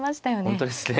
本当ですね。